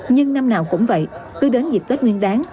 nhưng năm nào cũng vậy cứ đến dịp tết nguyên đáng